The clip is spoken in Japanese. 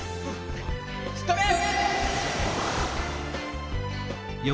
ストレッ！